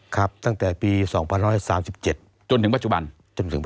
ครูลงเรียนห้วยต้อนพิธยาคมนะครับ